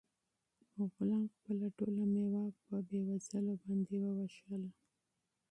غلام خپله ټوله مېوه په فقیرانو باندې وویشله.